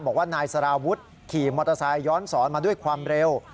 บอกว่านายสารวุฒิขี่มอเตอร์ไซค์ย้อนสอนมาด้วยความเร็ว